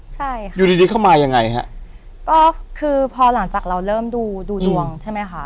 ใช่ค่ะอยู่ดีดีเข้ามายังไงฮะก็คือพอหลังจากเราเริ่มดูดูดวงใช่ไหมคะ